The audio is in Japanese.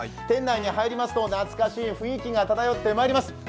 店内に入りますと、懐かしい雰囲気が漂ってまいります。